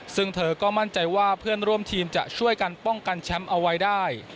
ซึ่งเธอก็มั่นใจว่าเพื่อนร่วมทีมจะช่วยกันป้องกันแชมป์เอาไว้ได้